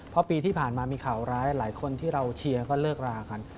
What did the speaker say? เพราะปีที่ผ่านมามีข่าวร้ายหลายคนที่เราเชียร์ก็เลิกรากัน